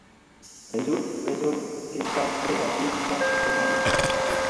Rezulte, prezoj kreskas tre rapide kaj permanente.